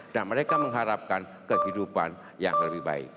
dan mereka mengharapkan kehidupan yang lebih baik